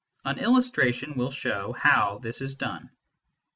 An illustration will show how this is done.